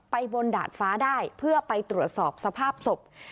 บนดาดฟ้าได้เพื่อไปตรวจสอบสภาพศพ